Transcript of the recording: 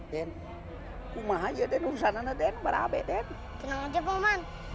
tenang aja pohoman